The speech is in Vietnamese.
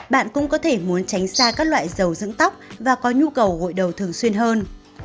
bạn cũng có thể muốn tránh xa các loại dầu dưỡng tóc và có nhu cầu gội đầu thường xuyên hơn